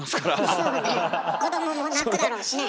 そうね子供も泣くだろうしね。